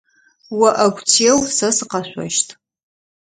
О ӏэгу теу, сэ сыкъэшъощт.